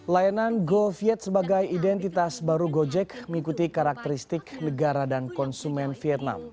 layanan goviet sebagai identitas baru gojek mengikuti karakteristik negara dan konsumen vietnam